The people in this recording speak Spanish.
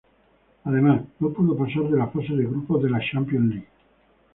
Además, no pudo pasar de la fase de grupos de la Champions League.